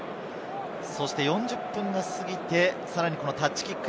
４０分が過ぎて、さらにタッチキック。